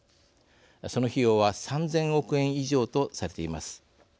その費用は３，０００億円以上とされています。